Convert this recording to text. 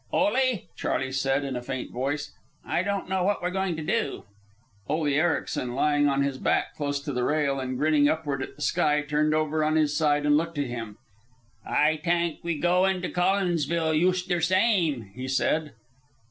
"Ole," Charley said in a faint voice, "I don't know what we're going to do." Ole Ericsen, lying on his back close to the rail and grinning upward at the sky, turned over on his side and looked at him. "Ay tank we go into Collinsville yust der same," he said.